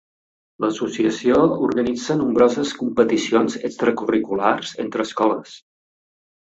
L'associació organitza nombroses competicions extracurriculars entre escoles.